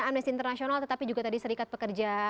amnesti internasional tetapi juga tadi serikat pekerja